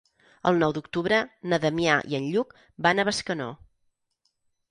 El nou d'octubre na Damià i en Lluc van a Bescanó.